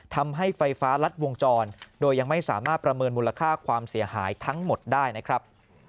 ทำให้ไฟฟ้ารัดวงจรโดยยังไม่สามารถประเมินมูลค่าความเสียหายทั้งหมดได้นะครับ